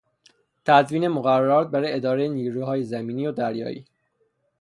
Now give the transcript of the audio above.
تدوین مقررات برای ادارهی نیروهای زمینی و دریایی